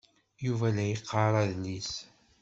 Yuba la yeqqar adlis.